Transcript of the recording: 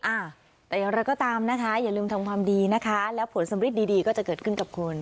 อ่าแต่อย่างไรก็ตามนะคะอย่าลืมทำความดีนะคะแล้วผลสำริดดีดีก็จะเกิดขึ้นกับคุณ